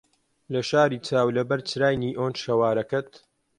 لە شاری چاو لەبەر چرای نیئۆن شەوارەکەت